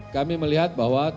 kami melihat bahwa